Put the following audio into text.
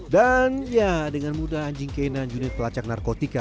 dan ya dengan mudah anjing k sembilan unit pelacak narkotika